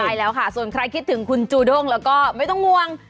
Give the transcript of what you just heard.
ใช่แล้วค่ะส่วนใครคิดถึงคุณจูด้งแล้วก็ไม่ต้องห่วง